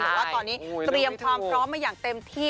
ว่าตอนนี้เตรียมความพร้อมมาอย่างเต็มที่